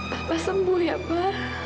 papa sembuh ya pa